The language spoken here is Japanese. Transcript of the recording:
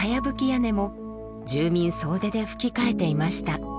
屋根も住民総出でふき替えていました。